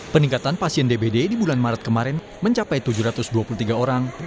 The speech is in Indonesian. peningkatan pasien dbd di bulan maret kemarin mencapai tujuh ratus dua puluh tiga orang